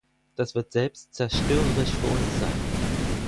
Das wird selbst zerstörerisch für uns sein.